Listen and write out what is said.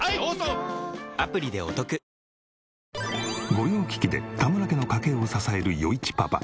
御用聞きで田村家の家計を支える余一パパ。